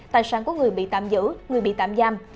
tài sản của người bị tạm giữ người bị tạm giam